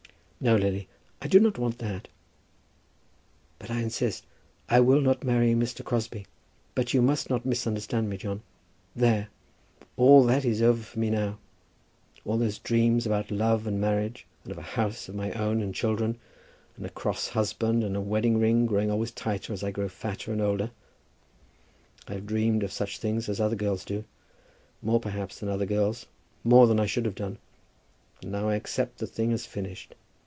"No, Lily, I do not want that." "But I insist. I will not marry Mr. Crosbie. But you must not misunderstand me, John. There; all that is over for me now. All those dreams about love, and marriage, and of a house of my own, and children, and a cross husband, and a wedding ring growing always tighter as I grow fatter and older. I have dreamed of such things as other girls do, more perhaps than other girls, more than I should have done. And now I accept the thing as finished.